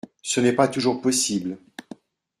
Ce n’est pas toujours possible.